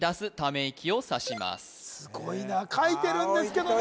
すごいな書いてるんですけどね